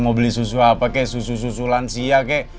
mau beli susu apa ke susu susu lansia kek